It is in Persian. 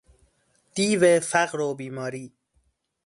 دیو فقر و بیماری